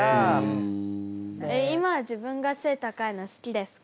今は自分が背高いの好きですか？